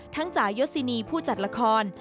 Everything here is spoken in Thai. ทั้งจายศินีย์ผู้จัดละคร